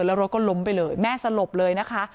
แล้วรถก็ล้มไปเลยแม่สลบเลยนะคะ